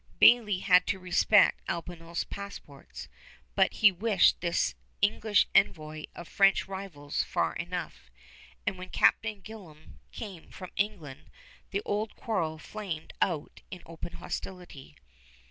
Bayly had to respect Albanel's passports, but he wished this English envoy of French rivals far enough; and when Captain Gillam came from England the old quarrel flamed out in open hostility.